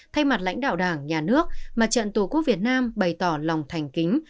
thay mặt lãnh đạo đảng nhà nước mặt trận tổ quốc việt nam bày tỏ lòng thành kính